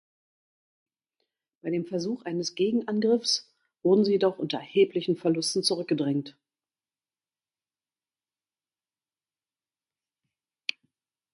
Bei dem Versuch eines Gegenangriffs wurden sie jedoch unter erheblichen Verlusten zurückgedrängt.